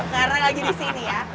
karena lagi di sini ya